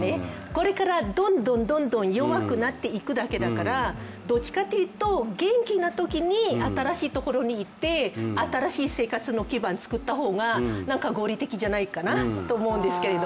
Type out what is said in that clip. これからどんどん弱くなっていくだけだから、どっちかっていうと元気なときに新しいところに行って新しい生活の基盤を作った方が合理的じゃないかなと思うんですけど。